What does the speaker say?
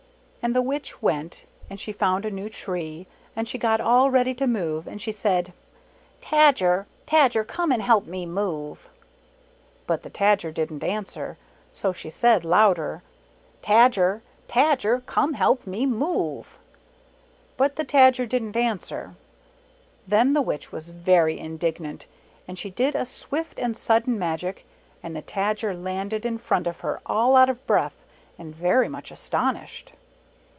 And the Witch went, and she found a new tree, and she got all ready to move, and she said, " Tajer, Tajer, come and help me move." But the Tajer didn't answer, so she said louder, ''Tajer, Tajer! come help me move." But the Tajer didn't answer. Then the Witch was very indignant, and she did a swift and sudden magic, and the Tajer landed in front of her all out of breath and very much astonished.